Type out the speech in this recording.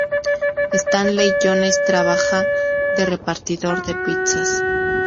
Stanley Jones trabaja de repartidor de Pizzas.